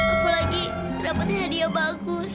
apalagi mendapatkan hadiah bagus